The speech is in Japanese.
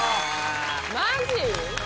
マジ？